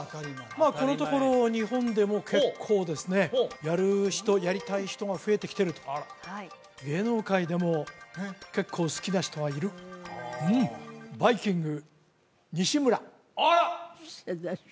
まあこのところ日本でも結構ですねやる人やりたい人が増えてきてると芸能界でも結構好きな人はいるあっ！